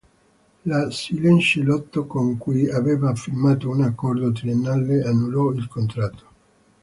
La Silence-Lotto, con cui aveva firmato un accordo triennale, annullò il contratto.